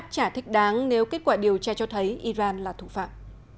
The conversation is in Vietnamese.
nhưng sẽ đáp trả thích đáng nếu kết quả điều tra cho thấy iran là thủ phạm